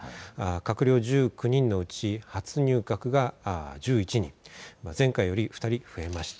閣僚１９人のうち初入閣が１１人、前回より２人増えました。